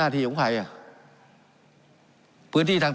การปรับปรุงทางพื้นฐานสนามบิน